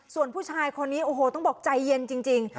ส่วนผู้ชายคนนี้โอ้โหต้องบอกใจเย็นจริง